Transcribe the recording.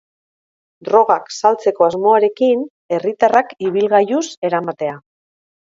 Drogak saltzeko asmoarekin, herritarrak ibilgailuz eramatea.